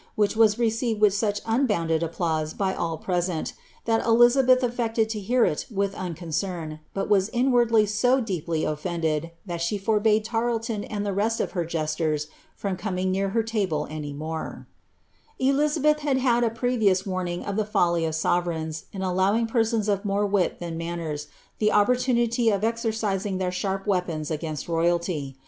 which was received with •och unbounded applause by all present, that Elizabeth affected to hear it with unconcern, but was inwardly so deeply oflfended, that she for bade Tarleton and the rest of her jesters from coming near her table any Elizabeth had had a previous warning of the folly of soverei|^s, in •Howing persons of more wit than manners, the opportunity ot exer cisiDg their sharp weapons against royalty.